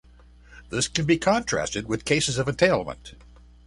This can be contrasted with cases of entailment.